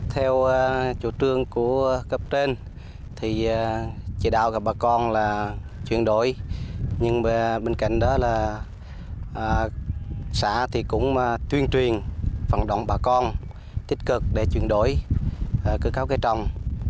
theo chủ trương của cấp trên thì chỉ đạo gặp bà con là chuyển đổi nhưng bên cạnh đó là xã thì cũng tuyên truyền vận động bà con tích cực để chuyển đổi cơ cấu cây trồng